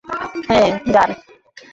হ্যাঁ, যান।